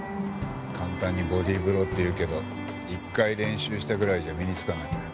簡単にボディーブローって言うけど１回練習したぐらいじゃ身につかない。